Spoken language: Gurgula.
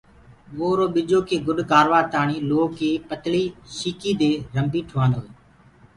وو اُرو ٻجو ڪي گُڏ ڪروآ تآڻي لوهڪي پتݪي شيڪي دي رنڀي ٺآندوئي۔